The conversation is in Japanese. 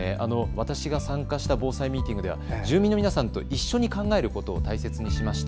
私が参加した防災ミーティングでは住民の皆さんと一緒に考えることを大切にしました。